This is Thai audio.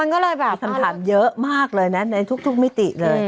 นี่สำคัญเยอะมากเลยนะในทุกมิติเลย